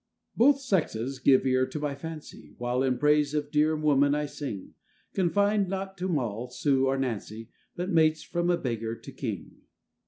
] BOTH sexes give ear to my fancy, While in praise of dear woman I sing; Confined not to Moll, Sue, or Nancy, But mates from a beggar to king.